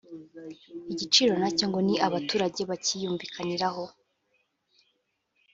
igiciro nacyo ngo ni abaturage bakiyumvikaniraho